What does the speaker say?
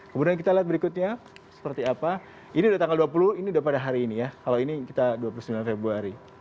kemudian kita lihat berikutnya seperti apa ini dari tanggal dua puluh ini udah pada hari ini ya kalau ini kita dua puluh sembilan februari